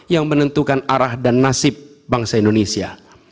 yang menentukan arah dan nasib bangsa indonesia